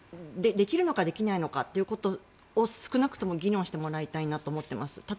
できるのかできないのかということを少なくとも議論していただきたいなと思っています。